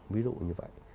ví dụ như vậy